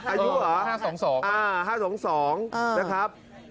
อ่า๕๒๒นะครับ